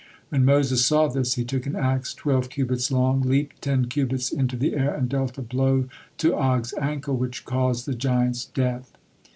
When Moses saw this, he took an axe twelve cubits long, leaped ten cubits into the air, and dealt a blow to Og's ankle, which caused the giant's death.